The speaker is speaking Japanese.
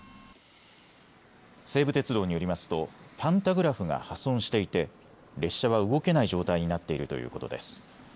西武鉄道によりますとパンタグラフが破損していて列車は動けない状態になっているということです。